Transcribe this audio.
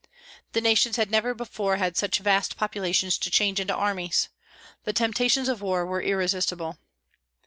The nations had never before had such vast populations to change into armies. The temptations of war were irresistible.